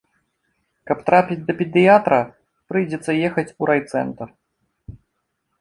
Каб трапіць да педыятра, прыйдзецца ехаць у райцэнтр.